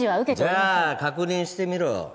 じゃあ確認してみろ